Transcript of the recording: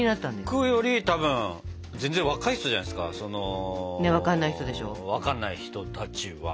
僕よりたぶん全然若い人じゃないですかその分かんない人たちは。